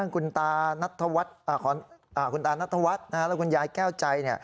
คุณตาคุณตานัทวัฒน์และคุณยายแก้วใจ